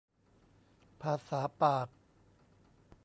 ภาษาปาก